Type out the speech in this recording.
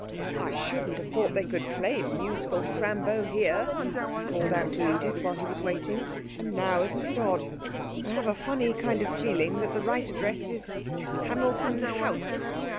'I shouldn't have thought they could play musical crambo here, 'he called out to Edith while he was waiting. 'And now isn't it odd? I have a funny kind of feeling that the right address is Hamilton House.'